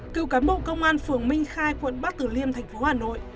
cựu cán bộ công an phường minh khai quận bắc tử liêm thành phố hà nội